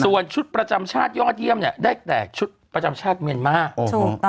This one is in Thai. ส่วนชุดประจำชาติยอดเยี่ยมเนี่ยได้แตกชุดประจำชาติเมียนมาร์